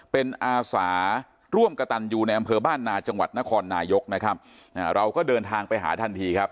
เป็นอาสาร่วมกระตันยูในอำเภอบ้านนาจังหวัดนครนายกนะครับเราก็เดินทางไปหาทันทีครับ